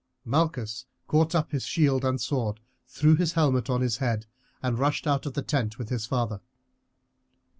Malchus caught up his shield and sword, threw his helmet on his head, and rushed out of the tent with his father.